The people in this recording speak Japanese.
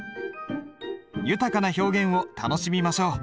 豊かな表現を楽しみましょう。